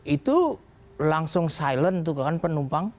itu langsung silent tuh kan penumpang